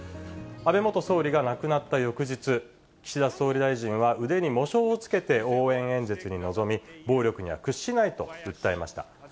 安倍元総理が亡くなった翌日、岸田総理大臣は、腕に喪章をつけて応援演説に臨み、暴力には屈しないと訴えました。